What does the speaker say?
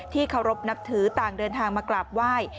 เคารพนับถือต่างเดินทางมากราบไหว้